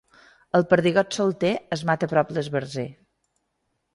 El perdigot solter es mata prop l'esbarzer.